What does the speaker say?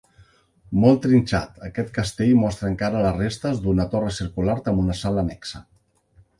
Molt trinxat, aquest castell mostra encara les restes d'una torre circular, amb una sala annexa.